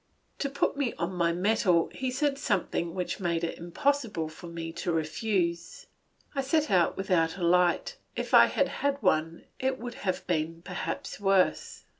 To put me on my mettle he said something which made it impossible for me to refuse. I set out without a light; if I had had one, it would perhaps have been even worse.